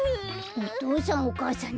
お父さんお母さん